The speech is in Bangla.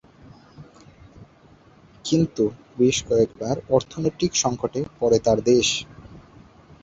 কিন্তু বেশ কয়েকবার অর্থনৈতিক সঙ্কটের কবলে পড়ে তাঁর দেশ।